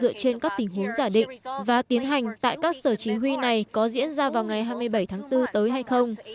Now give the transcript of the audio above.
cuộc tập trận dựa trên các tình huống giả định và tiến hành tại các sở chính huy này có diễn ra vào ngày hai mươi bảy tháng bốn tới hay không